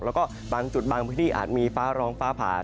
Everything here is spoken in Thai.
แล้วก็บางจุดบางพื้นที่อาจมีฟ้าร้องฟ้าผ่า